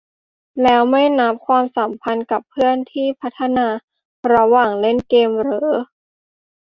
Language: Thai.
แล้วไม่นับความสัมพันธ์กับเพื่อนที่พัฒนาระหว่างเล่นเกมเหรอ ?